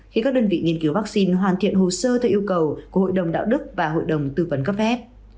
khi các đơn vị nghiên cứu vaccine hoàn thiện hồ sơ theo yêu cầu của hội đồng đạo đức và hội đồng tư vấn cấp phép